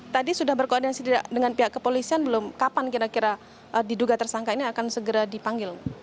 tadi sudah berkoordinasi dengan pihak kepolisian belum kapan kira kira diduga tersangka ini akan segera dipanggil